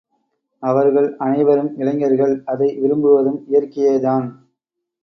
அவர்கள் அனைவரும் இளைஞர்கள், அதை விரும்புவதும் இயற்கையேதான்.